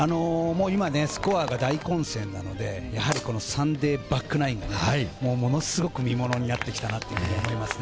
スコアが大混戦なので、サンデーバックナインがものすごく見ものになってきたなと思います。